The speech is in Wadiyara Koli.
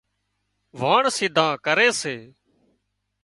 واڻ سيڌون ڪري سي